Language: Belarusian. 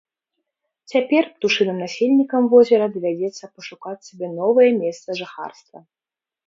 Цяпер птушыным насельнікам возера давядзецца пашукаць сабе новае месца жыхарства.